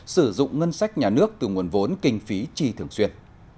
sử dụng ngân sách nhà nước từ nguồn vốn kinh phí chi thường xuyên